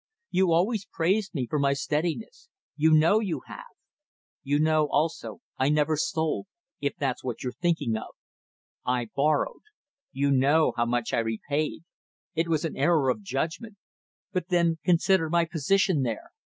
You always praised me for my steadiness; you know you have. You know also I never stole if that's what you're thinking of. I borrowed. You know how much I repaid. It was an error of judgment. But then consider my position there.